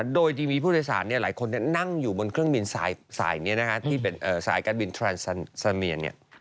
โดยที่มีผู้โดยสารหลายคนนั่งอยู่บนเครื่องบินสายการบินทรันสันเมียน